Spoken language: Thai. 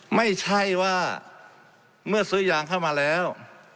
ไม่ใช่ว่าเมื่อซื้อยางเข้ามาแล้ว